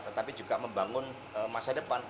tetapi juga membangun masa depan